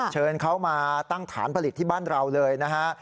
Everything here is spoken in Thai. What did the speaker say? เชิญเขามาตั้งฐานผลิตที่บ้านเราเลยนะฮะ